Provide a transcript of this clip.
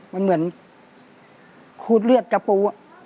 มันเหมือนคูดเลือดกระปู